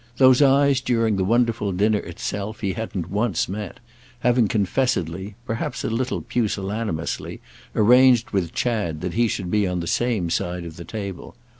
Those eyes during the wonderful dinner itself he hadn't once met; having confessedly—perhaps a little pusillanimously—arranged with Chad that he should be on the same side of the table.